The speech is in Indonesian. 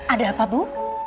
ada apa bu